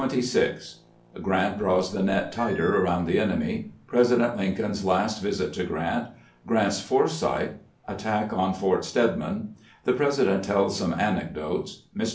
CHAPTER XXVI GEANT DKAWS THE NET TIGHTER AEOUND THE ENEMY — PEESIDENT LINCOLN'S LAST VISIT TO GRANT — GRANT'S FORESIGHT — ATTACK ON FORT STEDMAN — THE PRESI DENT TELLS SOME ANECDOTES — MR.